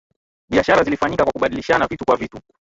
biashara zilifanyika kwa kubadilishana vitu kwa vitu